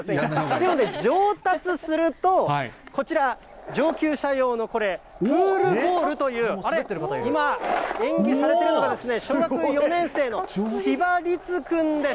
でもね、上達すると、こちら、上級者用の、プールボウルという、演技されてるのが、小学４年生の千葉律君です。